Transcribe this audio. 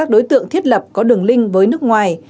đối tượng thiết lập có đường link với nước ngoài